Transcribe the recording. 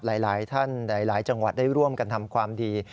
หลายท่านหลายจังหวัดได้ร่วมกันทำความดี